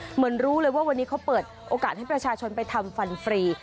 เหมือนรู้เลยว่าวันนี้เขาเปิดโอกาสให้ประชาชนไปทำฟันฟรี